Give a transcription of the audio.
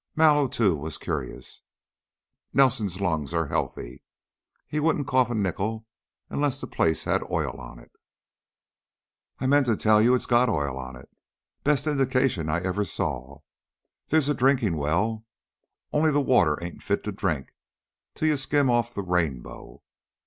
Mallow, too, was curious. "Nelson's lungs are healthy; he wouldn't cough a nickel unless the place had oil on it." "I meant to tell you it's got oil on it. Best indications I ever saw. There's a drinking well, only the water ain't fit to drink till you skim off the 'rainbow.'